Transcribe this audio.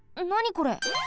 これ！